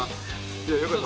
いやよかった。